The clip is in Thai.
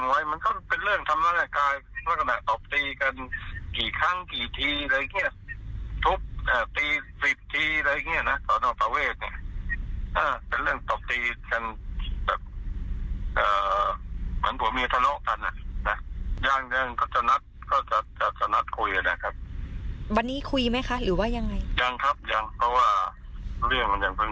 วันนี้คุยไหมคะหรือว่ายังไง